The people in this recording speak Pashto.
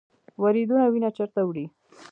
وریدونه وینه چیرته وړي؟